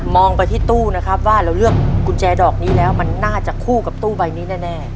ไปที่ตู้นะครับว่าเราเลือกกุญแจดอกนี้แล้วมันน่าจะคู่กับตู้ใบนี้แน่